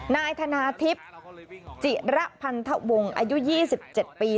นายธนาทิพย์จิระพันธวงศ์อายุ๒๗ปี